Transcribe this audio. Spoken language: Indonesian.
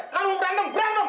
kalau mau berantem berantem